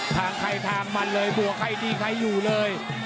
ทางใครทางมันเลยบวกใครดีใครอยู่เลย